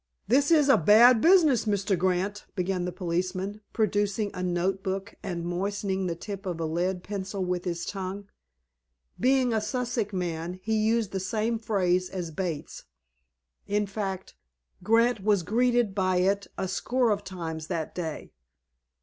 "This is a bad business, Mr. Grant," began the policeman, producing a note book, and moistening the tip of a lead pencil with his tongue. Being a Sussex man, he used the same phrase as Bates. In fact, Grant was greeted by it a score of times that day.